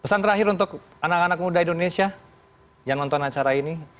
pesan terakhir untuk anak anak muda indonesia yang nonton acara ini